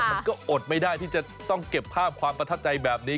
มันก็อดไม่ได้ที่จะต้องเก็บภาพความประทับใจแบบนี้